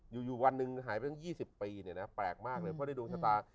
อยู่วันหนึ่งหายไปตั้ง๒๐ปีเนี่ยนะแปลกมากเลยเพราะในดวงชะตา